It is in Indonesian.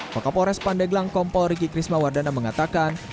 pakapolres pandeglang kompol riki krismawardana mengatakan